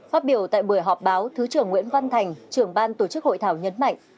phát biểu tại buổi họp báo thứ trưởng nguyễn văn thành trưởng ban tổ chức hội thảo nhấn mạnh